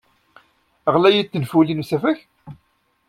Ɣlayit tenfulin n usafag?